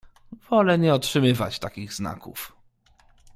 Wolę nie otrzymywać takich znaków!…